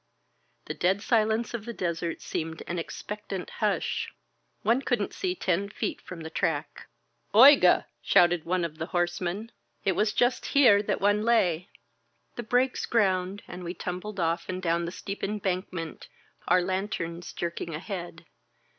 The dead silence of the desert seemed an expectant hush. One couldn't see ten feet from the track. Oigar' shouted one of the horsemen. "It was just 194 ON THE CANNON CAR here that one lay." The brakes ground and we tum bled off and down the steep embankment, our lanterns jerking ahead.